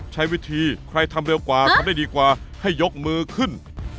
ใช้วิธีใครทำเร็วกว่าทำได้ดีกว่าให้ยกมือขึ้น